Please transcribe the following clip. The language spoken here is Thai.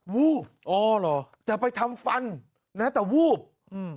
วูบอ๋อเหรอจะไปทำฟันนะแต่วูบอืม